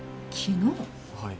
はい。